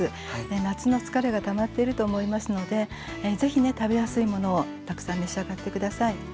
夏の疲れがたまっていると思いますのでぜひね食べやすいものをたくさん召し上がって下さい。